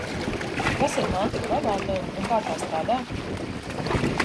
Kas ir mantu glabātuve un kā tā strādā?